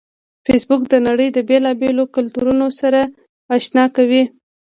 فېسبوک د نړۍ د بیلابیلو کلتورونو سره آشنا کوي